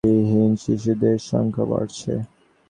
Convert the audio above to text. তিনিও মাস দুয়েক আগে জানালেন, গৃহহীন শিশুদের সংখ্যা বাড়ছে।